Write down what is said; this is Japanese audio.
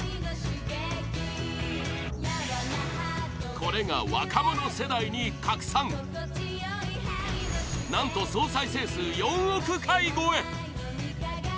これが若者世代に拡散何と総再生数４億回超え！